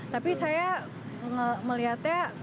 tapi saya melihatnya